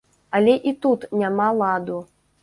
Але і тут няма ладу.